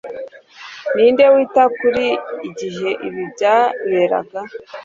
Ninde wita kuri igihe ibi byaberaga?